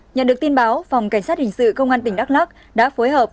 nhận được tin báo phòng cảnh sát hình sự công an tỉnh đắk lắc đã phối hợp